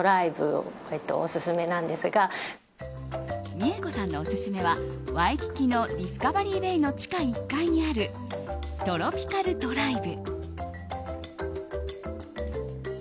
Ｍｉｅｋｏさんのオススメはワイキキのディスカバリーベイの地下１階にあるトロピカルトライブ。